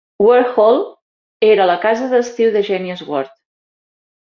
Ward Hall era la casa d'estiu de Junius Ward.